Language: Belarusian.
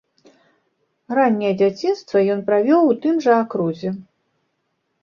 Ранняе дзяцінства ён правёў у тым жа акрузе.